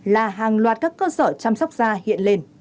là hàng loạt các cơ sở chăm sóc da hiện lên